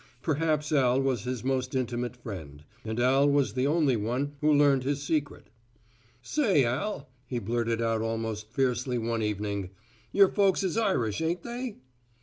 Perhaps Al was his most intimate friend, and Al was the only one who learned his secret. "Say, Al," he blurted out almost fiercely one evening, "your folks is Irish, ain't they?"